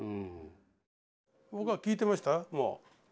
僕は聞いてましたもう。